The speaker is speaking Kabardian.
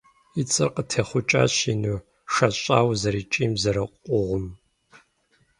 И цӀэр къытехъукӀащ ину, шэщӀауэ зэрыкӀийм, зэрыкъугъым.